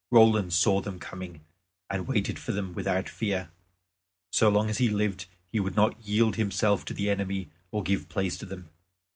Roland saw them coming, and waited for them without fear. So long as he lived he would not yield himself to the enemy or give place to them.